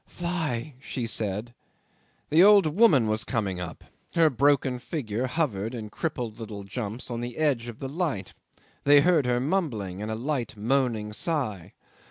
"Fly!" she said. The old woman was coming up; her broken figure hovered in crippled little jumps on the edge of the light; they heard her mumbling, and a light, moaning sigh.